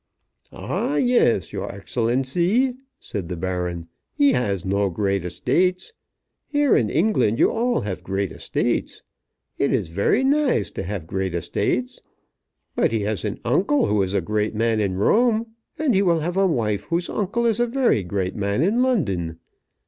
"Ah, yes, your Excellency," said the Baron. "He has no great estates. Here in England you all have great estates. It is very nice to have great estates. But he has an uncle who is a great man in Rome. And he will have a wife whose uncle is a very great man in London.